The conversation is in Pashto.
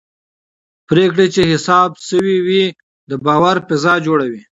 پرېکړې چې حساب شوي وي د باور فضا جوړوي